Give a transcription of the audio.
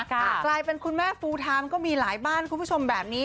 กลายเป็นคุณแม่ฟูไทม์ก็มีหลายบ้านคุณผู้ชมแบบนี้